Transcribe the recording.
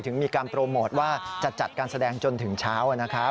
ถึงมีการโปรโมทว่าจะจัดการแสดงจนถึงเช้านะครับ